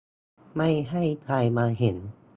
ไม่ให้ใครมาเห็น